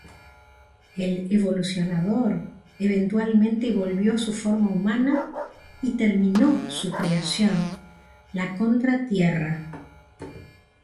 El Evolucionador eventualmente volvió a su forma humana y terminó su creación, la Contra-Tierra.